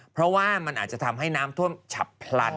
เพราะว่ามันอาจจะทำให้น้ำท่วมฉับพลัน